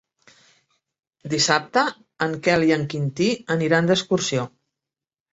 Dissabte en Quel i en Quintí aniran d'excursió.